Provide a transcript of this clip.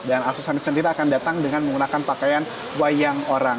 dan arsosani sendiri akan datang dengan menggunakan pakaian wayang orang